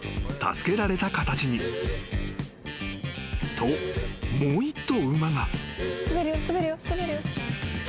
［ともう１頭馬が］